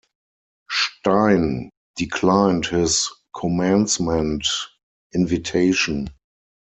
Stein declined his commencement invitation.